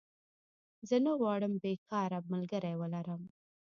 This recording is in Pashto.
زه نه غواړم بيکاره ملګری ولرم